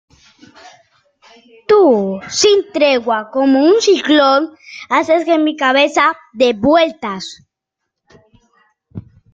Tú, sin tregua como un ciclón, haces que mi cabeza dé vueltas